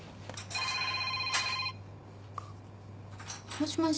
もしもし。